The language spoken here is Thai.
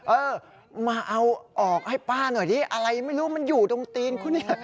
เออมาเอาออกให้ป้าหน่อยดิอะไรไม่รู้มันอยู่ตรงตีนคู่นี้